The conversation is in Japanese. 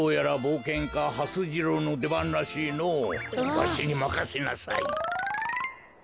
わしにまかせなさい。